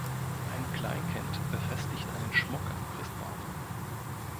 Ein Kleinkind befestigt einen Schmuck am Christbaum